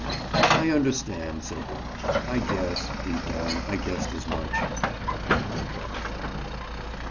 "I understand!" said Bob. "I guess—deep down—I guessed as much." And rang off.